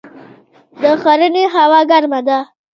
د ښرنې هوا ګرمه ده